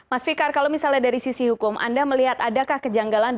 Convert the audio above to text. oke oke mas fikar kalau misalnya dari sisi hukum anda melihat adakah kejanggalan yang lain